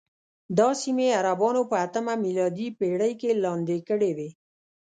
دا سیمې عربانو په اتمه میلادي پېړۍ کې لاندې کړې وې.